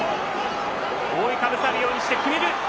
覆いかぶさるようにして決める。